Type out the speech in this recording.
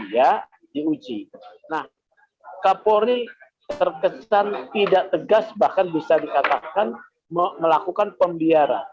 ya diuji nah kapolri terkesan tidak tegas bahkan bisa dikatakan melakukan pembiara